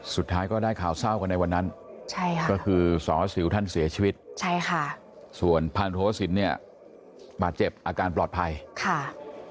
สุดท้ายก็ได้ข่าวเศร้ากันในวันนั้นใช่ค่ะก็คือสารวสิวท่านเสียชีวิตใช่ค่ะส่วนพันธุสินเนี่ยบาดเจ็บอาการปลอดภัยค่ะ